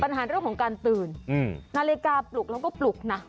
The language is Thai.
ปัญหาเรื่องของการตื่นนาฬิกาปลุกแล้วก็ปลุกนะ